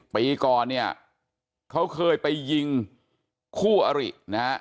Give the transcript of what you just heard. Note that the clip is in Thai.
ปีก่อนเนี่ยเขาเคยไปยิงคู่อรินะฮะ